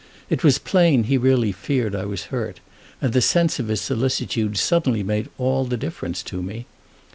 It was plain he really feared I was hurt, and the sense of his solicitude suddenly made all the difference to me.